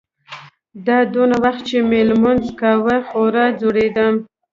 دا دونه وخت چې مې لمونځ کاوه خورا ځورېدم.